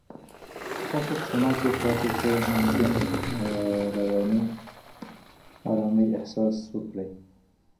که تاسو په سونا کې پاتې شئ، ممکن رواني آرامۍ احساس وکړئ.